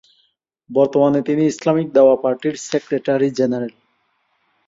বর্তমানে তিনি Islamic Dawa পার্টির সেক্রেটারি জেনারেল।